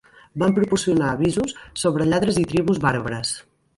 Van proporcionar avisos sobre lladres i tribus bàrbares.